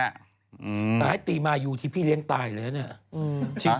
แต่ให้ตีมายูที่พี่เลี้ยงตายเลยนะเนี่ย